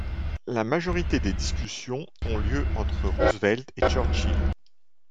La majorité des discussions ont eu lieu entre Roosevelt et Churchill.